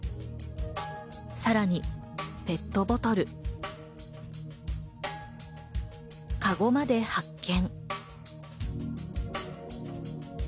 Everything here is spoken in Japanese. さらにペットボトル、かごまで発見。